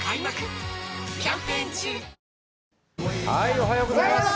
おはようございます。